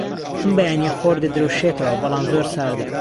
ئەم بەیانییە خۆر دەدرەوشێتەوە، بەڵام زۆر ساردە.